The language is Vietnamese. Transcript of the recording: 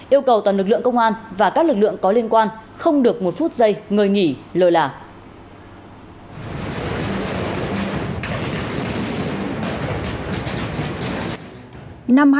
yêu cầu toàn lực lượng công an và các lực lượng có liên quan không được một phút giây người nghỉ lờ là